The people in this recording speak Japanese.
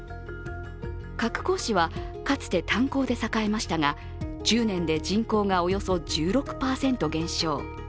鶴崗市は、かつて炭鉱で栄えましたが１０年で人口がおよそ１６％減少。